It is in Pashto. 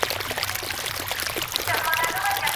د ټایپنګ سرعت مو له نورو سره پرتله کړئ.